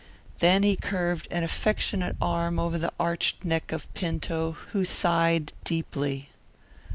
Then he curved an affectionate arm over the arched neck of Pinto, who sighed deeply.